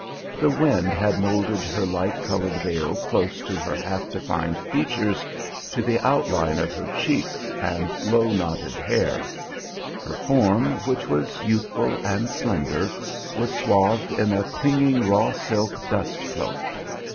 The wind had moulded her light colored veil close to her half defined features, to the outline of her cheeks and low knotted hair; her form, which was youthful and slender, was swathed in a clinging raw silk dust cloak.